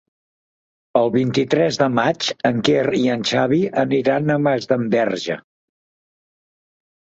El vint-i-tres de maig en Quer i en Xavi aniran a Masdenverge.